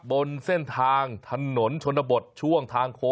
บนเส้นทางถนนชนบทช่วงทางโค